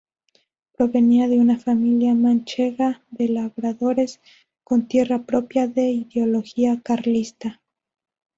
Provenía de una familia manchega de labradores con tierra propia de ideología carlista.